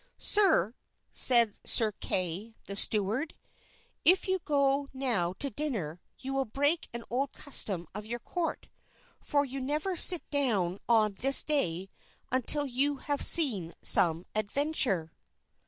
"Sir," said Sir Kay, the steward, "if you go now to dinner you will break an old custom of your court, for you never sit down on this day until you have seen some adventure."